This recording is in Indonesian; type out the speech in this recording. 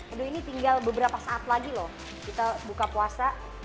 aduh ini tinggal beberapa saat lagi loh kita buka puasa